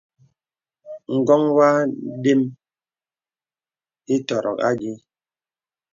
Ǹgɔ̄ŋ wɔ àdəm ìtɔ̀rɔ̀k ayìì.